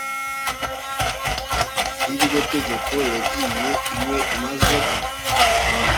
iby iryo tegeko yagiye iwe maze